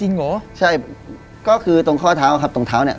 เหรอใช่ก็คือตรงข้อเท้าครับตรงเท้าเนี่ย